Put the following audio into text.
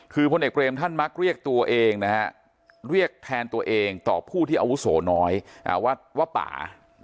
คือพลเอกเบรมท่านมักเรียกตัวเองนะฮะเรียกแทนตัวเองต่อผู้ที่อาวุโสน้อยว่าป่า